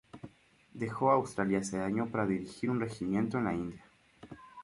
Dejó Australia ese año para dirigir un regimiento en la India.